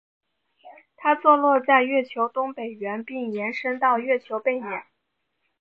它坐落在月球东北缘并延伸到月球背面。